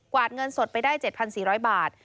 เงินสดไปได้๗๔๐๐บาท